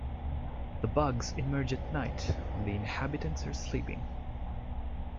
The bugs emerge at night, when the inhabitants are sleeping.